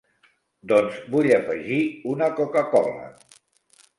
Doncs vull afegir una Coca-Cola.